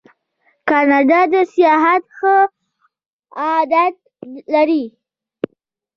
کاناډا د سیاحت ښه عاید لري.